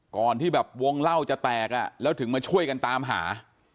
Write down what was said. ก่อนที่แบบวงเล่าจะแตกแล้วถึงมาช่วยกันตามหา